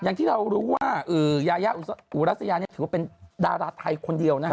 อย่างที่เรารู้ว่ายายาอุรัสยานี่ถือว่าเป็นดาราไทยคนเดียวนะฮะ